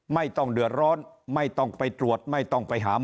ไม่ต้องเดือดร้อนไม่ต้องไปตรวจไม่ต้องไปหาหมอ